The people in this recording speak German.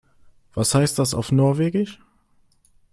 Was heißt das auf Norwegisch?